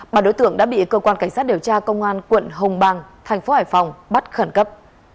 và đối tượng đã bị cơ quan cảnh sát điều tra công an quận hồng bang tp hải phòng bắt khẩn cấp